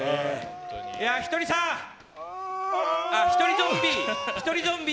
ひとりさん、ひとりゾンビ！